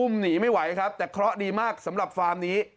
หนีไม่ไหวครับแต่เคราะห์ดีมากสำหรับฟาร์มนี้